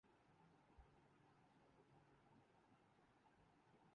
جنہوں نے روزہ رکھنا ہو رکھتے ہیں۔